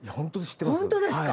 本当ですか？